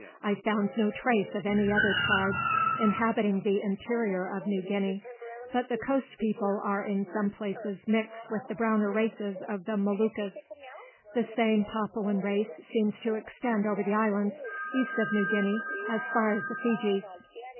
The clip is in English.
I found no trace of any other tribes inhabiting the interior of New Guinea, but the coast people are in some places mixed with the browner races of the Moluccas. The same Papuan race seems to extend over the islands east of New Guinea as far as the Fijis.